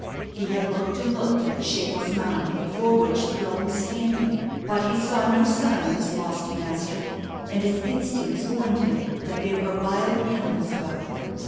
He had looked and looked at the shapeless mound before which the girl was standing; but he saw no sign of his lost master, and his instincts warned him that there were wild animals about.